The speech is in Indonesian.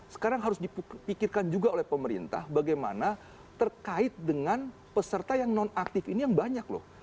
sekarang harus dipikirkan juga oleh pemerintah bagaimana terkait dengan peserta yang non aktif ini yang banyak loh